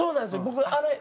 僕あれ。